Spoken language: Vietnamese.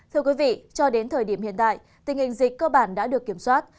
thưa quý vị cho đến thời điểm hiện tại tình hình dịch cơ bản đã được kiểm soát